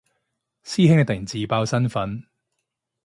師兄你突然自爆身份